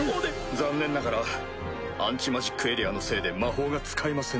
残念ながらアンチマジックエリアのせいで魔法が使えません。